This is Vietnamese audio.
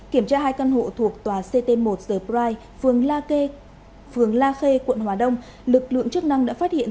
kiểm tra hai căn hộ thuộc tòa ct một the pride phường la khê quận hòa đông lực lượng chức năng đã phát hiện